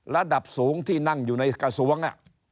ระดับสูงที่นั่งอยู่ในกระทรวง